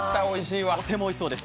とてもおいしそうです。